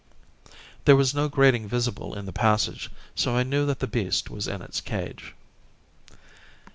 There was no grating visible in the passage, so I knew that the beast was in its cage.